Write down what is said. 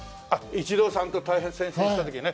イチローさんと対戦した時ね。